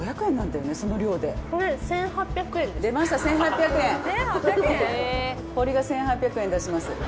１８００円はい出します